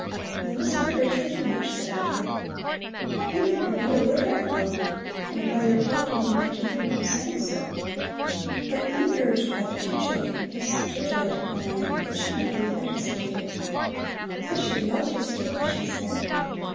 "You must not urge her too much," said the mother. "Maybe Cornelli would rather go home, and by your talking you might keep her from saying so." But being urged by the two children was such a joy to Cornelli that she never even hesitated. "I should love to stay," she said.